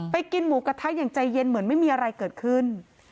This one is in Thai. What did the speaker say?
กินหมูกระทะอย่างใจเย็นเหมือนไม่มีอะไรเกิดขึ้น